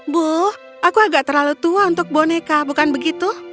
bu aku agak terlalu tua untuk boneka bukan begitu